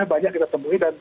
banyak kita temui